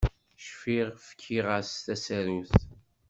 Cfiɣ fkiɣ-as tasarut.